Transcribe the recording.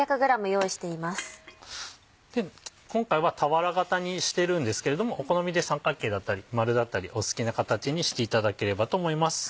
今回は俵形にしてるんですけれどもお好みで三角形だったり丸だったりお好きな形にしていただければと思います。